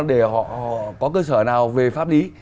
để họ có cơ sở nào về pháp lý